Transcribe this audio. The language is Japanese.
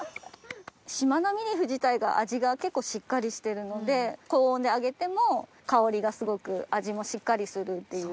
しまなみリーフ自体が味が結構しっかりしてるので高温で揚げても香りがすごく味もしっかりするっていう。